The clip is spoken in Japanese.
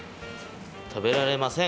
たべられません。